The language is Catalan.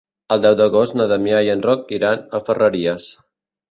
El deu d'agost na Damià i en Roc iran a Ferreries.